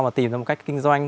mà tìm ra một cách kinh doanh